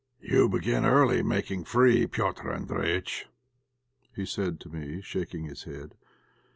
"You begin early making free, Petr' Andréjïtch," he said to me, shaking his head.